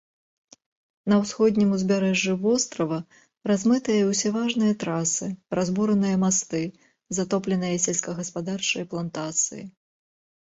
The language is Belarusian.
На ўсходнім узбярэжжы вострава размытыя ўсе важныя трасы, разбураныя масты, затопленыя сельскагаспадарчыя плантацыі.